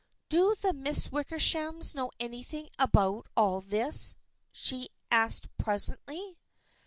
" Do the Miss Wickershams know anything about all this? " she asked presently.